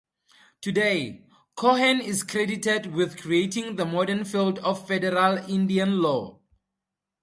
Today, Cohen is credited with creating the modern field of Federal Indian Law.